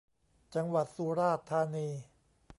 จังหวัดสุราษฏร์ธานี